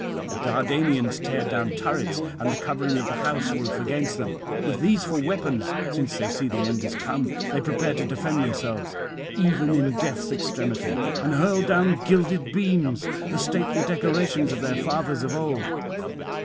The Dardanians tear down turrets and the covering of the house roof against them; with these for weapons, since they see the end is come, they prepare to defend themselves even in death's extremity: and hurl down gilded beams, the stately decorations of their fathers of old.